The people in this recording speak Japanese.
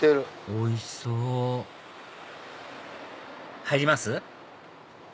おいしそう入ります？